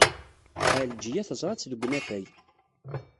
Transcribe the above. Ɛelǧiya teẓra-tt deg unafag.